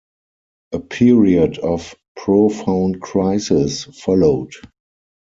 A period of profound crisis followed.